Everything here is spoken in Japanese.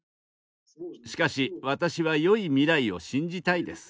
しかし私はよい未来を信じたいです。